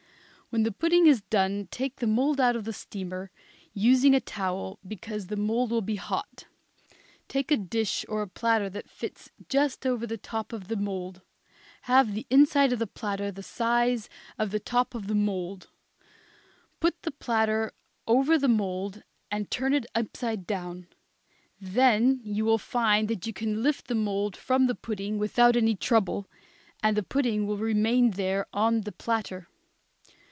When the pudding is done take the mould out of the steamer, using a towel, because the mould will be hot. Take a dish or platter that fits just over the top of the mould; have the inside of the platter the size of the top of the mould; put the platter over the mould and turn it upside down; then you will find that you can lift the mould from the pudding without any trouble, and the pudding will remain there on the platter.